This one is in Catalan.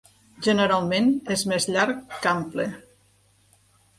Generalment és més llarg que ample.